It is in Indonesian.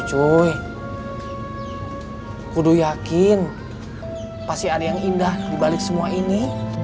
aku yakin pasti ada yang indah di balik semua ini